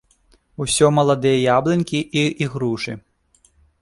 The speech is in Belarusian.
Усё маладыя яблынькі і ігрушы.